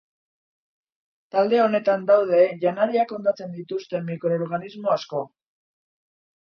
Talde honetan daude janariak hondatzen dituzten mikroorganismo asko.